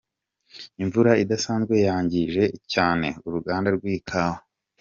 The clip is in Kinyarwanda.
Imvura idasanzwe yangije cyane uruganda rw’ikawa